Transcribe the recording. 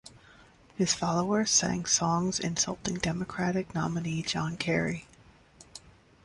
His followers sang songs insulting Democratic nominee John Kerry.